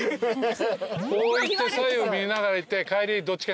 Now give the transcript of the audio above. こう行って左右見ながら行って帰りどっちかにすればいい。